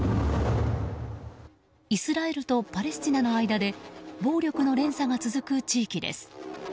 イスラエルとパレスチナの間で暴力の連鎖が続く地域です。